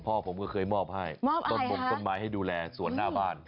พ่อผมก็เคยมอบให้ต้นมงต้นไม้ให้ดูแลส่วนหน้าบ้าน